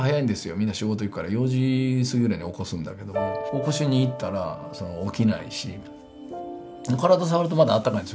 みんな仕事行くから４時すぎぐらいに起こすんだけども起こしに行ったら起きないし体触るとまだあったかいんですよ